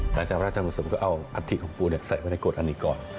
หลักเช้าพระอุปสรมก็เอาอธิของปูใส่ไว้ในกระวังอันนี้ก่อน